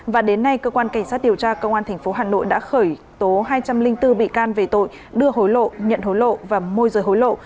và đến nay cơ quan cảnh sát điều tra công an tp hà nội đã khởi tố hai trăm linh bốn bị can về tội đưa hối lộ nhận hối lộ và môi rời hối lộ